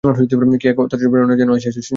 কী এক অত্যাশ্চর্য প্রেরণা যেন আসিয়াছে যাদবের।